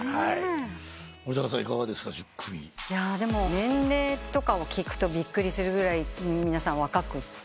年齢とかを聞くとびっくりするぐらい皆さん若くて。